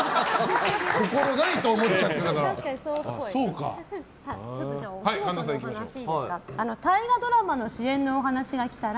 心ないと思っちゃってるんだから。